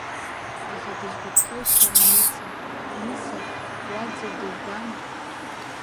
Аха дысгәаԥхеит сара Ница, Ница уа ӡәыр дыжәбама?